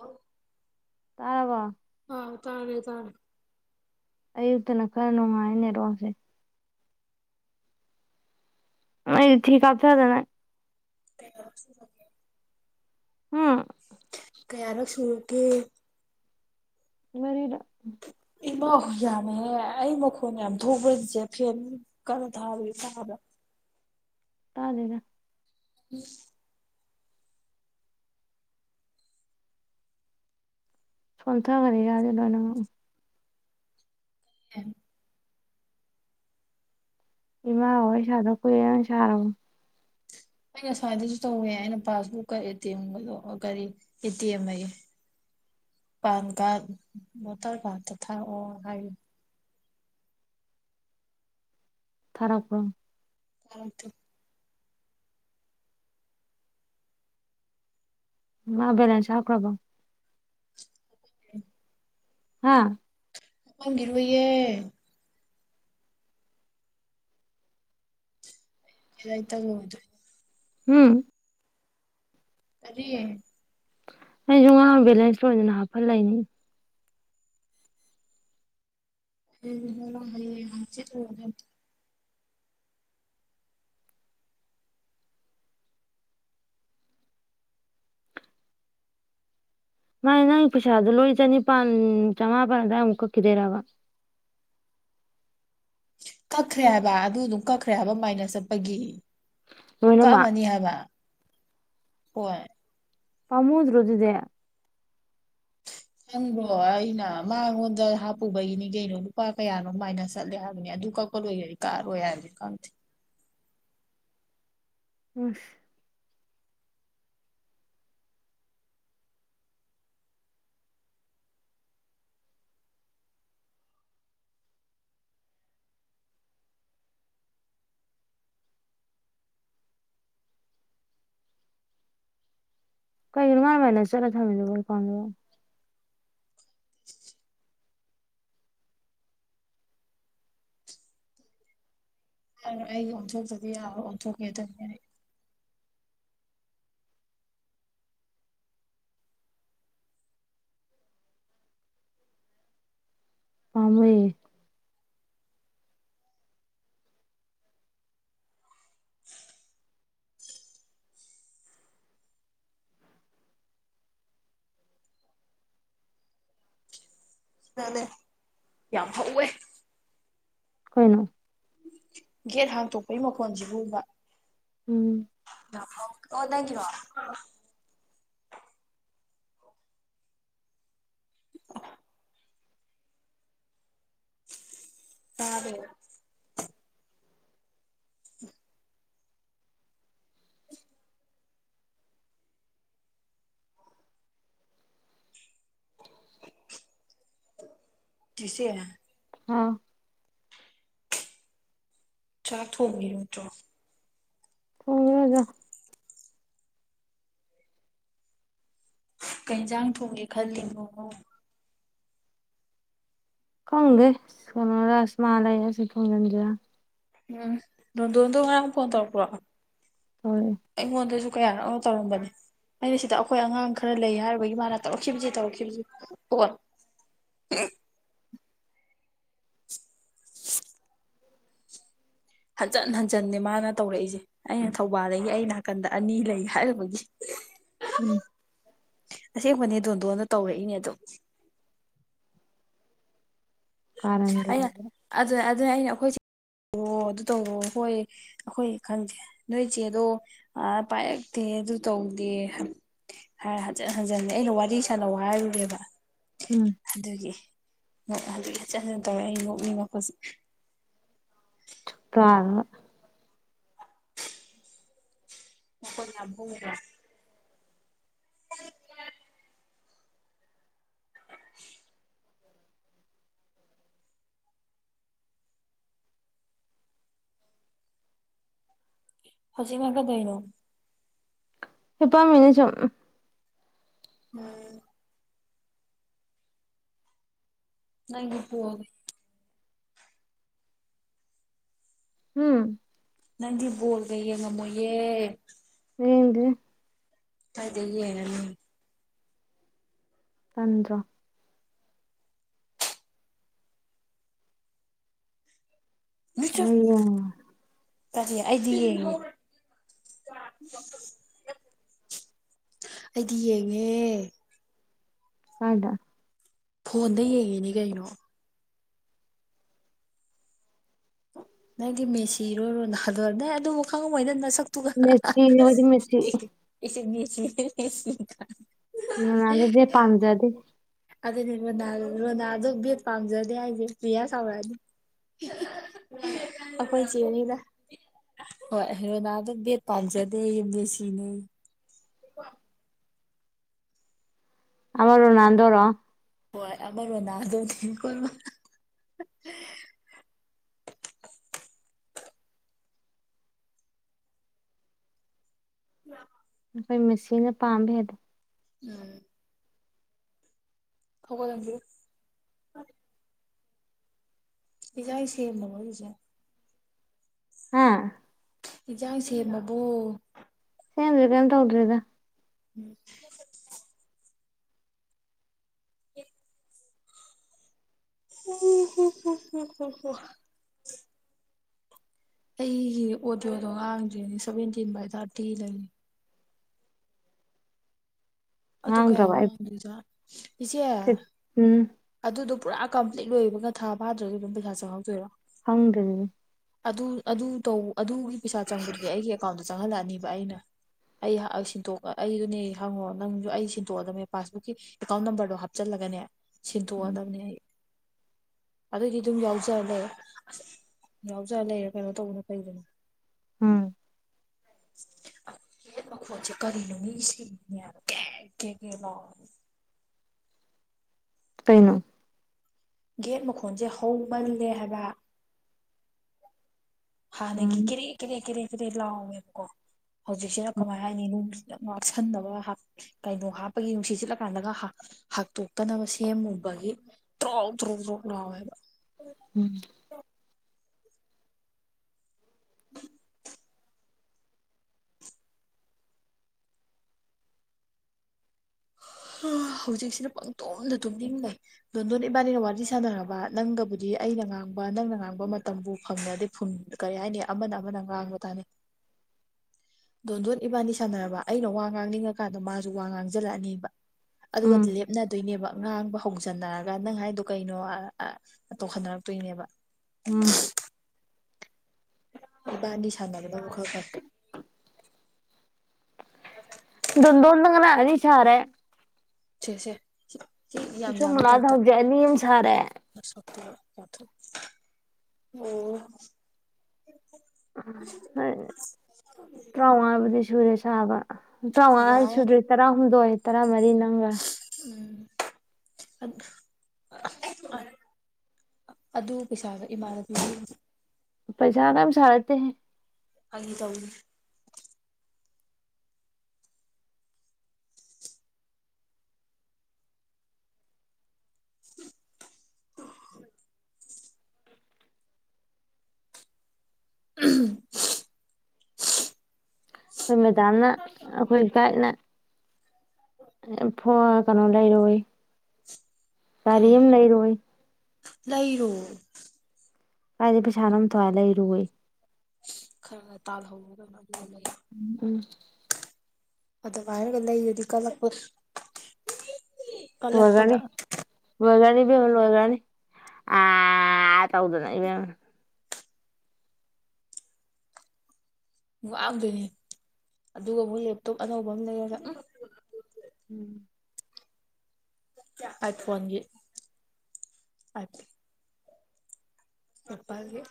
ꯑ ꯇꯥꯔꯥꯕ ꯑꯥꯎ ꯇꯥꯅꯦꯦ ꯇꯅꯤ ꯑꯌꯨꯛꯇꯅ ꯈꯔ ꯅꯨꯡꯉꯥꯏꯅꯦꯔꯣꯁꯦ ꯑꯩꯗꯤ ꯊ ꯍꯥ ꯊꯗꯅ ꯇ ꯎꯝ ꯀꯌꯥꯔꯣ ꯁꯨ ꯀꯦ ꯃꯔꯤꯗ ꯏꯃꯥ ꯍ ꯌꯥꯝꯅꯍꯦ ꯑꯩ ꯃꯈꯣꯟꯅ ꯌꯥꯝ ꯊꯣꯛꯈꯔꯤꯁꯦ ꯐꯦꯟ ꯀꯟꯅꯣ ꯊꯥꯕ ꯏꯥꯕ ꯇꯥꯗꯅ ꯎꯝ ꯐꯣꯟꯊ ꯈꯔꯦ ꯌꯥꯖ ꯂꯅ ꯎꯝ ꯏꯃ ꯍꯣꯏ ꯁꯥꯗ ꯀꯏ ꯁꯔꯣ ꯑꯩ ꯉꯁꯥꯏꯗꯁꯨ ꯇꯧꯋꯦ ꯑꯩꯅ ꯄꯥꯁꯕꯨꯛꯀꯇꯦꯝꯒꯗ ꯀꯔꯤ ꯑꯦꯇꯦꯝ ꯑꯩ [unintelligible] ꯄꯥꯟ ꯀꯥ ꯃꯇꯔ ꯀꯥ ꯊꯥ ꯑꯣ ꯍꯥꯏ ꯐꯔꯥꯞꯄꯔꯝ ꯑ ꯑꯗꯨ ꯃꯥꯕꯦꯂ ꯆꯈ꯭ꯔꯕꯝ [inaudible] ꯍꯥꯥ ꯑꯃꯥꯡ ꯉꯕꯦ ꯑꯦꯥꯏ ꯇ ꯍꯣꯣ ꯎꯝ ꯀꯔꯤꯌꯦ ꯑꯩꯁꯨ ꯉꯥ ꯕꯦꯂꯦꯟꯁ ꯂꯣꯏꯗꯅ ꯍꯥꯞꯐꯠ ꯂꯩꯅꯤ ꯎ ꯍ ꯍꯥꯏꯁꯤ ꯃꯥꯥꯏ ꯅꯪꯒꯤ ꯄꯩꯁꯥꯗꯨꯣ ꯂꯣꯏ ꯆꯅꯤꯄꯥꯥꯟ ꯆꯃꯥꯄꯜ ꯑꯋꯥꯏꯃꯨꯛ ꯀꯛꯈꯤꯗꯣꯏꯔꯕ [inaudible] ꯀꯛꯈ꯭ꯔꯦ ꯍꯥꯏꯕ ꯑꯗꯨ ꯑꯗꯨꯝ ꯀꯛꯈ꯭ꯔꯦ ꯍꯥꯏꯕ ꯃꯥꯏꯅ ꯆꯠꯄꯒꯤ ꯂꯣꯏꯅꯃꯛ ꯀꯥꯃꯅꯤ ꯍꯥꯏꯕ ꯍꯣꯏ ꯐꯃꯨꯗ ꯔꯖꯤꯗꯌꯥ ꯁꯪꯕꯣ ꯑꯩꯅ ꯃꯉꯣꯟꯗ ꯍꯥꯞꯄꯨꯕꯒꯤꯅꯤ ꯀꯩꯅꯣ ꯂꯨꯄꯥ ꯀꯌꯥꯅꯣ ꯀꯃꯥꯏꯅ ꯆꯠꯂꯦ ꯍꯥꯏꯕꯅꯤ ꯗꯨꯀꯥꯀꯔ ꯑꯣꯏꯣꯏ ꯌꯥꯏ ꯀꯥ ꯑꯣꯏꯣꯏ ꯌꯥ ꯑꯗꯨ ꯀꯝ ꯑ ꯀꯩꯒꯤꯃꯥꯏ ꯃꯅ ꯆꯠ ꯊꯃꯤꯗꯨꯣ ꯄꯥꯎꯝꯗꯣ ꯌꯥꯔꯣꯏ ꯑꯩ ꯑꯣꯟꯊꯣꯛꯇꯗꯤ ꯌꯥꯔꯣꯏ ꯑꯣꯟꯊꯣꯛꯀꯦ ꯑꯗꯨꯅꯤ ꯐꯃꯦ ꯑ ꯌꯥꯝ ꯍꯧꯥꯎꯋꯦ ꯀꯣꯏꯅ ꯒꯦꯠ ꯍꯥꯡꯇꯣꯛꯄꯒꯤ ꯃꯈꯣꯟꯁꯤꯕꯨꯕ ꯎꯝ ꯑꯣꯗ ꯀꯔꯣ ꯑꯗꯦ ꯎꯝ ꯀꯁꯦ ꯑꯥꯎ ꯆꯥꯊꯣ ꯃꯤꯌꯣ ꯆ꯭ꯔꯣ ꯍꯒ ꯀꯩꯖꯥꯡ ꯊꯣꯡꯒꯦ ꯈꯜꯜꯂꯤꯉꯣ ꯈꯪꯒꯦ ꯀ ꯔꯁꯃꯥ ꯂꯩ ꯑꯁꯤ ꯑꯁꯤ ꯐꯣꯡꯒꯟꯖꯦ ꯎꯝ ꯅꯣꯟꯗꯗꯣ ꯉꯔꯥꯡ ꯐꯣꯟ ꯇꯧꯔꯛꯄ꯭ꯔꯣ ꯇꯧꯔꯛꯑꯦ ꯑꯩꯉꯣꯟꯗꯁꯨ ꯀꯌꯥꯅꯛ ꯇꯧꯔꯝꯕꯅꯦ ꯑꯩꯅ ꯁꯤꯗ ꯑꯩꯈꯣꯏ ꯑꯉꯥꯡ ꯈꯔ ꯂꯩ ꯍꯥꯏꯕꯒꯤ ꯃꯥꯅ ꯇꯧꯔꯛꯈꯤꯕꯁꯤ ꯇꯧꯔꯛꯈꯤꯕꯁꯤ ꯍ [inaudible] ꯍꯟꯖꯟ ꯍꯟꯖꯟꯟꯅꯦ ꯃꯥꯅ ꯇꯧꯔꯛꯏꯁꯦ ꯑꯩꯅ ꯊꯧꯕꯥꯜꯗꯒꯤ ꯑꯩ ꯅꯥꯀꯟꯗ ꯑꯅꯤ ꯂꯩ ꯍꯥꯏꯔꯨꯕꯒꯤ ꯎꯝ ꯑꯁꯦꯡꯕꯅꯦ ꯗꯣꯟꯗꯣꯟꯗ ꯇꯧꯔꯛꯏꯅꯦ ꯑꯗꯣ ꯀꯔꯗꯤꯦ ꯑꯩꯅ ꯑꯗꯨ ꯑꯗꯨꯅ ꯑꯩꯅ ꯑꯩꯈꯣꯏꯁꯦ ꯑꯗꯨ ꯇꯧꯔꯑꯣ ꯍꯣꯏ ꯑꯩꯈꯣꯏ ꯈꯪꯗꯦ ꯅꯣꯏ ꯆꯦꯗꯣ ꯄꯥꯏꯔꯛꯇꯦ ꯇꯧꯗꯦ ꯍꯥꯏ ꯍꯟꯖꯤꯅꯦ ꯑꯩꯅ ꯋꯥꯔꯤ ꯁꯥꯟꯅꯕ ꯍꯥꯏꯔꯨꯔꯦꯕ ꯎꯝ ꯑꯗꯨꯒꯤ ꯍꯧꯛ ꯍꯆꯠ ꯍꯅ ꯇꯧꯔꯦ ꯑꯩ ꯉꯣꯛꯅꯤꯡ ꯉꯄꯁꯤ ꯆꯄꯥ ꯈꯣꯏ ꯨꯃꯤꯗ [inaudible] ꯍꯁꯤ ꯉ ꯀꯗꯩꯅꯣ ꯏꯄꯥ ꯃꯤꯅꯤꯖꯣ ꯎꯝ ꯅꯪ ꯏ ꯄꯒꯦ ꯎꯝ ꯅꯪꯗꯤ ꯣꯜꯒꯩꯦ ꯉꯝꯃꯨ ꯌꯦ ꯍꯗꯤ ꯐꯗ ꯌꯥꯅꯤ ꯄꯟ꯭ꯔ ꯑꯣ ꯇ ꯑꯩꯗꯤ ꯑꯩꯗꯤ ꯌꯦꯡꯉꯦ ꯀꯗ ꯐꯣꯟꯗ ꯌꯦꯡꯉꯤꯅꯦ ꯀꯩꯅꯣ ꯅꯪꯗꯤ ꯃꯦꯁꯤꯔꯣꯏꯔꯣ ꯅꯗ ꯅ ꯑꯗꯨ ꯋꯥꯪꯍꯩꯗ ꯃꯦꯁꯤꯅꯦ ꯑꯩꯈꯣꯏꯗꯤ ꯃꯦꯁꯤ ꯏꯁꯦꯁ ꯎꯗꯗ ꯄꯖꯗꯤ ꯑꯗꯨꯅꯦ ꯔꯣꯅꯥꯜ ꯔꯣꯅꯥꯜꯗꯣ ꯕꯠ ꯄꯥꯝꯖꯗꯦ ꯍꯥꯏꯁꯦ ꯭ꯔꯤꯌꯥ ꯁꯥꯎꯔꯛꯑꯅꯤ [inaudible] ꯑꯩꯈꯣꯏ ꯌꯦꯅꯤꯗ ꯍꯣꯏ ꯍꯦꯔꯣꯅꯥ ꯑꯗꯨꯝ ꯕꯦꯠ ꯄꯥꯝꯖꯗꯦ ꯌꯨꯝꯗ ꯁꯤꯅꯩ ꯑꯔ ꯅ ꯇꯧꯔꯣ ꯍꯣꯏ ꯑꯔꯕꯨꯅꯗ ꯀꯣꯔꯕ [inaudible] ꯎꯝ ꯑꯩꯈꯣꯏ ꯃꯦꯁꯤꯤꯅ ꯄꯥꯝꯝꯕ ꯍꯥꯏꯗ ꯎꯝ ꯍꯒꯗꯪꯗꯤ ꯏꯖꯁꯤꯅꯣꯁꯦ ꯍꯥꯥ ꯌꯦꯟꯖꯥꯡ ꯁꯦꯝꯃꯕꯣ ꯁꯦꯃꯦ ꯇꯧꯗ꯭ꯔꯔꯤꯗ ꯎꯝ ꯎ ꯍ ꯍ ꯍ ꯑꯩꯒꯤ ꯑꯣꯗꯤꯣꯗꯣ ꯍꯥꯡꯗ꯭ꯔꯤꯅꯤ ꯁꯚꯦꯟꯇꯤꯟ ꯕꯥꯏ ꯊꯥꯔꯇꯤ ꯂꯩꯅꯤ ꯑꯗꯨ ꯀꯌꯥ ꯉꯥꯡꯗ꯭ꯔꯕ ꯑꯩ ꯋꯥꯝꯗꯣꯏꯅ ꯏꯆꯦ ꯐꯤꯠ ꯎꯝ ꯑꯗꯨꯗꯣ ꯄꯨꯔꯥ ꯀꯝꯄ꯭ꯂꯤꯠꯣꯏꯕꯒ ꯊꯥꯗ꯭ꯔꯒ ꯑꯗꯨꯝ ꯄꯩꯁꯥ ꯆꯪꯍꯧꯗꯣꯏꯔꯣ ꯍꯗ ꯑꯗꯨ ꯑꯗꯨ ꯑꯗꯨ ꯇꯧ ꯑꯗꯨꯒꯤ ꯄꯩꯁꯥ ꯆꯪꯕꯗꯨꯅꯦ ꯑꯩꯒꯤ ꯑꯦꯀꯥꯎꯟꯗ ꯆꯪꯍꯜꯂꯛꯑꯅꯤꯕ ꯑꯩꯅ ꯑꯩ ꯁꯤꯟꯇꯣꯛ ꯑꯩꯗꯨꯅꯦ ꯍꯪꯉꯣ ꯅꯪꯁꯨ ꯑꯩ ꯁꯤꯟꯇꯣꯛꯑꯗꯕꯅꯦ ꯄꯥꯁꯕꯨꯛꯀꯤ ꯑꯦꯀꯥꯎꯟ ꯅꯝꯕꯔꯗꯣ ꯍꯥꯞꯆꯜꯂꯒꯅꯦ ꯁꯤꯟꯇꯣꯛꯑꯗꯕꯅꯦ ꯑꯩ ꯑꯗꯨꯗꯤ ꯑꯗꯨꯝ ꯌꯥꯎꯖꯅꯦꯦ ꯌꯥꯎꯖꯥ ꯂꯩꯔꯦ ꯀꯩꯅꯣ ꯇꯧꯕꯅ ꯐꯩꯗꯅ ꯎꯝ ꯦ ꯀꯔꯤꯅ ꯃꯤ ꯁꯤ ꯀꯦ ꯀꯦꯒ ꯂ ꯀꯩꯅꯩꯅ ꯒꯦꯠ ꯃꯈꯣꯟꯁꯦ ꯍꯧꯃꯜꯂꯦ ꯍꯥꯏꯕ ꯍꯥꯟꯅꯒꯤ ꯎꯝ ꯀꯦꯔꯦ ꯀꯦꯔꯦ ꯀꯦꯔꯦ ꯀꯦꯔꯦ ꯂꯥꯎꯋꯦꯕꯀꯣ ꯍꯧꯖꯤꯛꯁꯤꯅ ꯀꯃꯥꯏ ꯍꯥꯏꯅꯤ ꯉꯥꯛꯁꯟꯅꯕ ꯀꯩꯅꯣ ꯍꯥꯞꯄꯒꯤ ꯅꯨꯡꯁꯤꯠ ꯁꯤꯠꯂꯀꯥꯟꯗꯒ ꯍꯥꯇꯣꯛꯇꯅꯕ ꯁꯦꯝꯃꯨꯕ ꯊ꯭ꯔꯣ ꯊ꯭ꯔꯨ ꯊ꯭ꯔꯨ ꯂ ꯍꯥꯏꯕ ꯎꯝ [inaudible] [unintelligible] ꯍꯧꯖꯤꯛꯁꯤꯅ ꯄꯪꯇꯣꯝꯅ ꯇꯨꯝꯅꯤꯡꯡ ꯂꯩꯩ ꯂꯣꯟꯗꯣꯟ ꯏꯕꯥꯅꯤꯒ ꯋꯥꯔꯤ ꯁꯥꯟꯅꯔꯕ ꯅꯪꯒꯕꯨꯗꯤ ꯑꯩ ꯑꯩꯅ ꯉꯥꯡꯕ ꯅꯪꯅ ꯉꯥꯡꯕ ꯃꯇꯝꯕꯨ ꯐꯪꯉꯗꯤ ꯐ ꯀꯔꯤ ꯍꯥꯏꯅꯤ ꯑꯃꯅ ꯑꯃꯅ ꯉꯥꯡꯕ ꯇꯥꯅꯤ [inaudible] ꯗꯣꯟꯗꯣꯟ ꯏꯕꯥꯅꯤ ꯁꯥꯟꯅꯔꯕ ꯑꯩꯅ ꯋꯥ ꯉꯥꯡꯅꯤꯡꯉꯀꯥꯟꯗ ꯃꯥꯁꯨ ꯋꯥ ꯉꯥꯡꯖ ꯍꯖꯤꯜꯂꯛꯑꯅꯦꯕ ꯑꯗꯨꯒ ꯎꯝ ꯂꯦꯞꯅꯗꯣꯏꯅꯦꯕ ꯉꯥꯡꯕ ꯍꯣꯡꯖꯟꯅꯔꯒ ꯅꯪ ꯍꯥꯏꯗꯣ ꯀꯩꯅꯣ ꯇꯣꯛꯍꯅꯔꯛꯇꯣꯏꯅꯦꯕ ꯎꯝ ꯏꯕꯥꯅꯤ ꯁꯥꯟꯅꯕꯗ ꯑꯃꯨꯛ ꯈꯔ ꯐꯔ ꯇꯣꯗꯅꯤ ꯆꯔꯦ ꯁꯦ ꯁꯦ ꯌꯥꯝ ꯁꯨꯝ ꯌꯥꯝꯃꯤꯃꯦ ꯃꯨꯂꯥꯗ ꯇꯇ ꯍꯧꯖꯤꯛ ꯑꯅꯤ ꯑꯃ ꯁꯥꯔꯦ ꯁꯊ ꯑꯣꯝ ꯣꯏ ꯇꯔꯥꯃꯉꯥꯕꯨꯗꯤ ꯁꯨꯔꯦ ꯁꯥꯕ ꯇꯥꯃꯉꯥ ꯋꯥꯎ ꯁꯨꯗ꯭ꯔꯦ ꯇꯔꯥꯍꯨꯝꯗꯣꯏ ꯇꯔꯥꯃꯔꯤ ꯅꯪꯒ ꯑ ꯑꯗꯨ ꯄꯩꯁꯥꯒ ꯏꯃꯥꯟꯅ ꯑꯗꯨ ꯄꯩꯁꯥꯅ ꯁꯥꯔꯠꯇ ꯍ ꯑ ꯇꯅꯤ ꯎꯝ ꯑꯩꯈꯣꯏ ꯃꯦꯗꯥꯝꯅ ꯑꯩꯈꯣꯏ ꯒꯥꯏꯠꯅ ꯐ ꯀꯩꯅꯣ ꯂꯩꯔ ꯇꯔꯤ ꯀꯔꯤ ꯑꯦꯝ ꯂꯩꯔꯣꯏ ꯂꯩꯔꯣ ꯀꯥꯏꯗꯤ ꯄꯩꯁꯥꯅ ꯑꯃ ꯊꯣꯛꯏ ꯂꯩꯔꯨꯦ ꯈꯔ ꯇꯥꯜ ꯍꯗ ꯎꯝ ꯎꯝ ꯑꯗ ꯃꯏꯔꯒ ꯂꯩ ꯌꯗꯤ ꯀꯂꯄ ꯋꯥꯒꯥꯅꯤ ꯋꯥꯒꯥꯅꯤ ꯏꯕ ꯍꯒꯅꯤ ꯑ ꯇꯥꯎꯗꯅ ꯏꯕꯦꯝ ꯋꯥꯡꯗꯣꯏꯅꯦ ꯑꯗꯨꯒ ꯑꯃꯨꯛ ꯂꯦꯞꯇꯣꯞ ꯑꯅꯧꯕ ꯑꯃ ꯂꯩꯔꯔ ꯎꯝ ꯍꯥꯏ ꯐꯣꯟꯒꯤ ꯑ ꯑꯄꯥꯒꯦ [inaudible]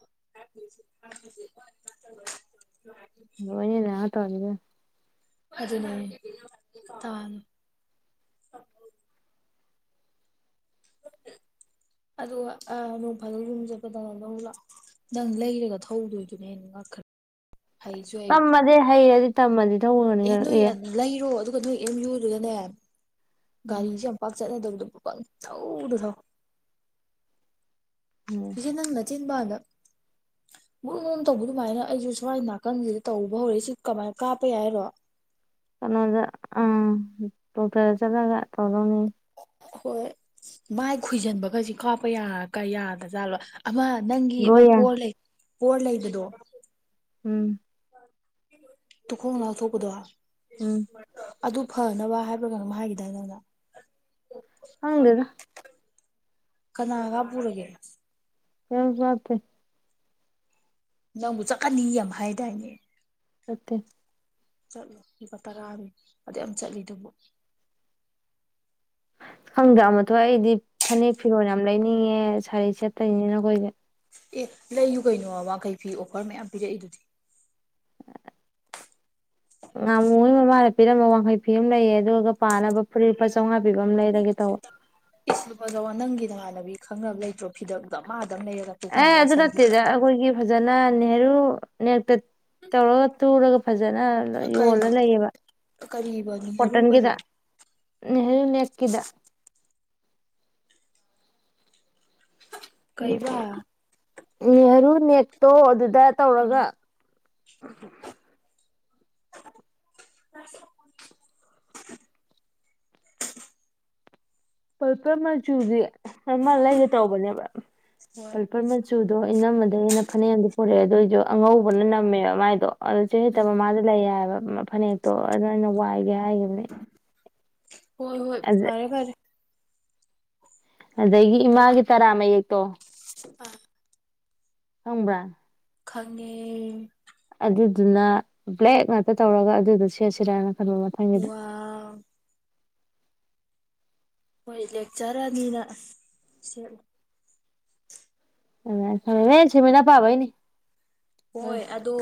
[inaudible] ꯋꯥꯅꯦ ꯍꯥ ꯇꯒ ꯑꯗꯨ ꯇꯥꯅ ꯑꯗꯨꯒ ꯅꯣꯡ ꯐꯥꯖꯅ ꯌꯨꯝ ꯆꯠꯄꯗ ꯅꯪ ꯂꯩꯔꯒ ꯊꯧꯗꯣꯏꯗꯨꯅꯦ ꯍꯦꯟꯅ ꯉꯥꯛꯇ [inaudible] ꯇꯝꯃꯗꯤ ꯍꯩꯔꯗꯤ ꯇꯝꯃꯗꯤ ꯇꯧꯔꯅꯤ ꯀ ꯅꯣꯏ ꯑꯦ ꯂꯩꯔꯣ ꯑꯗꯨꯒ ꯅꯣꯏ ꯑꯦꯝ ꯌꯨꯗꯨꯒꯅꯦ ꯎꯝ ꯒꯥꯔꯤꯁꯦ ꯌꯥꯝ ꯄꯥꯛ ꯆꯠꯅꯗꯧ ꯆꯧꯗ ꯁꯤꯆꯦ ꯅꯪ ꯅ ꯆꯤꯟꯕꯗ [inaudible] ꯃꯨꯛ ꯨꯅ ꯇꯧꯕ ꯑꯗꯨꯃꯥꯏꯅ ꯑꯩꯁꯨ ꯁ꯭ꯋꯥꯏ ꯅꯥꯀꯟꯁꯤꯗ ꯇꯧꯕ ꯍꯧꯔꯛꯏ ꯁꯤ ꯀꯃꯥꯏꯅ ꯀꯥꯞꯄꯦ ꯍꯥꯏꯔꯣ ꯀꯩꯅꯣꯗ ꯑ ꯇꯣꯇꯦꯔ ꯆꯠꯂꯒ ꯇꯧꯗꯣꯅꯤ ꯍꯣꯏ ꯃꯥꯏ ꯈꯣꯏꯖꯟꯕ ꯈꯁꯤ ꯀꯥꯞꯄ ꯌꯥꯒ ꯌꯥꯗ꯭ꯔꯥꯖꯥꯠꯂꯣ ꯑꯃ ꯅꯪꯒꯤ ꯑꯃ ꯒ꯭ꯔꯣꯌꯔ ꯄꯣꯔ ꯂꯩ ꯄꯣꯔ ꯂꯩꯕꯗꯣ ꯎꯝ ꯇꯨ ꯈꯣꯡ ꯂꯊꯣꯛ ꯀꯗ ꯎꯝ ꯑꯗꯨ ꯐꯅꯕ ꯍꯥꯏꯕꯒꯩꯅꯪ ꯍꯥꯏꯈꯤꯗꯥꯏ ꯅꯪꯅ ꯍꯪꯗꯔ ꯀꯅꯥꯒ ꯄꯨꯔꯒꯦꯅ ꯍꯁ ꯐꯇꯦ ꯅꯪꯕꯨ ꯆꯠꯀꯅꯤ ꯌꯥꯝ ꯍꯥꯏꯗꯥꯏꯅꯦ ꯑꯀꯦ ꯆꯠꯂꯣ ꯂꯨꯄꯥ ꯇꯔꯥꯑꯅꯤ ꯑꯗꯨꯗꯩ ꯌꯥꯝ ꯆꯠꯂꯤꯗꯨꯕꯨ ꯑ ꯈꯪꯗ꯭ꯔ ꯃꯊ ꯑꯩꯗꯤ ꯐꯅꯦꯛ ꯐꯤꯔꯣꯜ ꯌꯥꯝ ꯂꯩꯅꯤꯡꯉꯦ ꯁꯥꯔꯤ ꯆꯠꯇꯔꯤꯅꯤꯅꯈꯣꯏꯁꯦ ꯑꯦ ꯂꯩꯌꯨ ꯀꯩꯅꯣ ꯋꯥꯈꯩ ꯐꯤ ꯑꯣꯐꯔ ꯃꯌꯥꯝ ꯄꯤꯔꯛꯏꯗꯨꯗꯤ ꯉꯥꯃꯨꯍꯣꯏ ꯃꯃꯥꯗ ꯄꯤꯔꯝꯝꯕ ꯋꯥꯡꯈꯩ ꯐꯤ ꯑꯃ ꯂꯩꯌꯦ ꯑꯗꯨꯒ ꯄꯥꯅꯕ ꯐꯨꯔꯤꯠ ꯂꯨꯄꯥ ꯆꯥꯝꯃꯉꯥ ꯄꯤꯕ ꯑꯃ ꯂꯩꯔꯒꯦ ꯇꯧꯕ ꯏꯁ ꯂꯨꯄꯥ ꯆꯧꯉꯥ ꯅꯪꯒꯤ ꯅꯃꯥꯟꯅꯕꯤ ꯈꯪꯅꯕ ꯂꯩꯇ꯭ꯔꯣ ꯐꯤꯗꯛꯗꯣ ꯃꯥ ꯑꯦ ꯑꯗꯨ ꯅꯠꯇꯦꯗ ꯑꯩꯈꯣꯏꯒꯤ ꯐꯖꯅꯥ ꯅꯦꯍꯔꯨ ꯅꯦꯛꯇ ꯇꯧꯔꯒ ꯇꯨꯔꯒ ꯐꯖꯅ ꯀꯔꯤ ꯌꯣꯜꯂ ꯂꯩꯌꯦꯕ ꯀꯔꯤꯕ ꯅꯤꯍꯔꯨ ꯀꯔꯤ ꯀꯣꯇꯟꯒꯗ ꯅꯅ ꯀꯗ ꯀꯩꯕꯥ ꯅꯦꯍꯔꯨ ꯅꯛꯇꯣ ꯑꯗꯨ ꯑꯗꯨ ꯗ ꯇꯧꯔꯒ [inaudible] [inaudible] ꯄꯄꯔ ꯃꯆꯨꯒꯤ ꯑꯃ ꯂꯩꯒꯦ ꯇꯧꯕꯅꯦꯕ ꯍꯣꯏ ꯄꯜꯄꯔ ꯃꯆꯨꯗꯣ ꯏꯅꯝꯃꯗꯒꯤꯩꯅ ꯐꯅꯦꯛꯌꯥꯝꯗꯤ ꯄꯨꯔꯛꯑꯦ ꯑꯗꯨꯏꯗꯣ ꯑꯉꯧꯕꯅ ꯅꯝꯃꯦꯕ ꯃꯥꯏꯗꯣ ꯑꯗꯨꯣ ꯆ ꯍꯦꯠꯇ ꯃꯃꯥꯗ ꯂꯩ ꯍꯥꯏꯑꯕ ꯐꯅꯦꯛꯇꯣ ꯑꯗꯨ ꯑꯩꯅ ꯋꯥꯏꯒꯦ ꯍꯥꯏ ꯍꯥꯏꯅꯦ ꯍꯣꯏ ꯍꯣꯏ ꯐꯔꯦ ꯐꯔꯦ ꯑꯗꯒꯤ ꯏꯃꯥꯒꯤ ꯇꯔꯥ ꯃꯌꯦꯛꯇꯣ ꯑꯥ ꯍꯕ꯭ꯔ ꯈꯪꯉ ꯑꯗꯨꯗꯨꯅ ꯕ꯭ꯂꯦꯛ ꯉꯥꯛꯇ ꯇꯧꯔꯒ ꯑꯗꯨꯗ ꯁꯦꯠꯁꯤꯔꯅ ꯈꯟꯕ ꯃꯊꯪꯒꯤꯗ ꯋꯥ ꯍꯣꯏ ꯂꯦꯛꯆꯔꯅꯤꯅ ꯁꯦꯠꯂ ꯦ ꯃꯃꯤꯅꯥ ꯄꯥꯕꯅꯦ ꯍꯣꯏ ꯑꯗꯣ